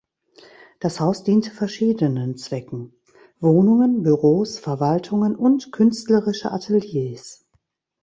Das Haus diente verschiedenen Zwecken: Wohnungen, Büros, Verwaltungen und künstlerische Ateliers.